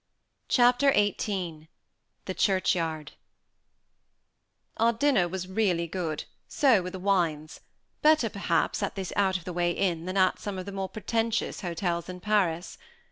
Chapter XVIII THE CHURCHYARD Our dinner was really good, so were the wines; better, perhaps, at this out of the way inn, than at some of the more pretentious hotels in Paris.